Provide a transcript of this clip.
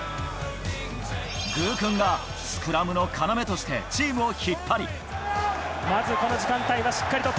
グーくんがスクラムの要としてチームを引っ張り。